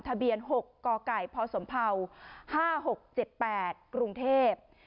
ทะเบียน๖กไก่พศ๕๖๗๘กรุงเทพฯ